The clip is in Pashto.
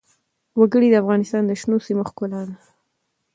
وګړي د افغانستان د شنو سیمو ښکلا ده.